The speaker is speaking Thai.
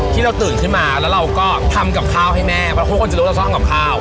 ที่เราตื่นขึ้นมาแล้วเราก็ทำกับข้าวให้แม่เพราะทุกคนจะรู้เราต้องทำกับข้าว